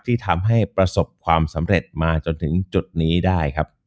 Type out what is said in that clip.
ที่ทำให้ประสบความสำเร็จมาจนถึงจุดนี้ได้ครับ